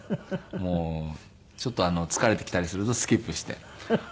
もうちょっと疲れてきたりするとスキップして弾んでいます。